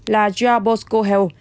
là jabos kohel